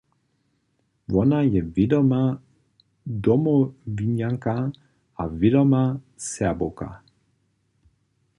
Wona je wědoma Domowinjanka a wědoma Serbowka.